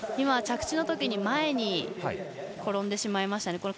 着地のときに前に転んでしまいましたね。